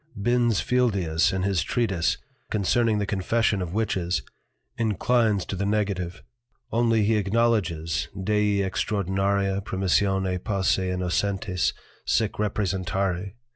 Bins Fieldius in his Treatise, concerning the Confession of Witches, inclines to the Negative, only he acknowledges _Dei extraordinaria Permissione posse Innocentes sic representari.